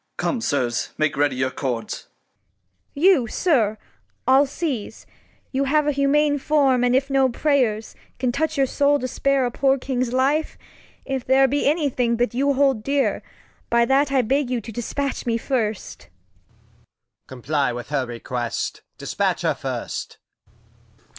Come, Sirs, make ready your Cords. Cord. You, Sir, I'll seize, You have a humane Form, and if no Prayer's Can touch your Soul to spare a poor King's Life, If there be any Thing that you hold dear, By that I beg you to dispatch me first. Capt. Comply with her Request ; dispatch her first.